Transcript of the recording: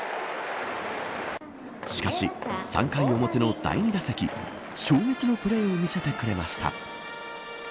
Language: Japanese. しかし、３回表の第２打席衝撃のプレーを見せてくれました。